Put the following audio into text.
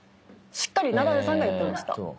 しっかりナダルさんが言ってました。